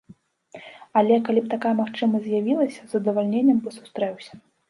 Але калі б такая магчымасць з'явілася, з задавальненнем бы сустрэўся.